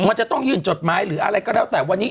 มันจะต้องยื่นจดหมายหรืออะไรก็แล้วแต่วันนี้